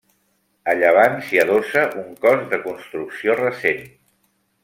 A llevant s'hi adossa un cos de construcció recent.